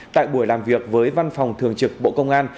tại buổi làm việc với văn phòng thường trực bộ công an